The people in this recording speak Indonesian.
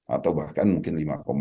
atau bahkan mungkin lima empat